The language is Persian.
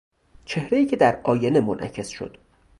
چهرهای که در آینه منعکس شد